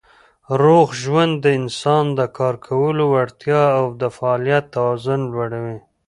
روغ ژوند د انسان د کار کولو وړتیا او د فعالیت توان لوړوي.